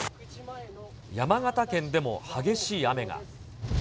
山形県でも激しい雨が。